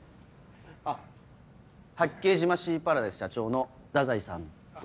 あっ八景島シーパラダイス社長の太宰さんと。